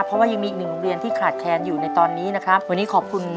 เพราะว่ายังมีอีกหนึ่งโรงเรียนที่ขาดแคลนอยู่ในตอนนี้นะครับวันนี้ขอบคุณ